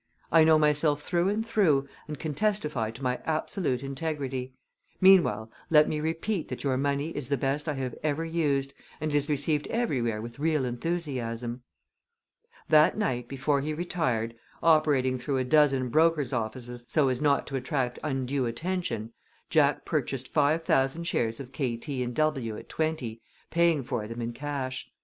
I know myself through and through, and can testify to my absolute integrity. Meanwhile let me repeat that your money is the best I have ever used, and is received everywhere with real enthusiasm." That night before he retired, operating through a dozen brokers' offices so as not to attract undue attention, Jack purchased five thousand shares of K., T. & W. at 20, paying for them in cash.